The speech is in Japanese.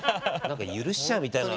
許しちゃうみたいな。